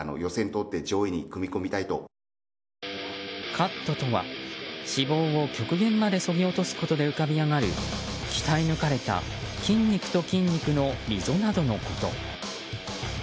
カットとは、脂肪を極限までそぎ落とすことで浮かび上がる鍛え抜かれた筋肉と筋肉の溝などのこと。